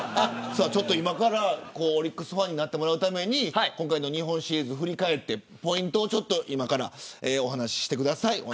今からオリックスファンになってもらうために今回の日本シリーズを振り返ってポイントをお話してください。